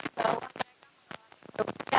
bahwa mereka tidak bisa berjalan dengan lancar